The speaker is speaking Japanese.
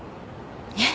えっ？